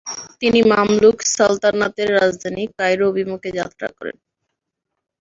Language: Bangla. তিনি মামলুক সালতানাতের রাজধানী কায়রো অভিমুখে যাত্রা করেন।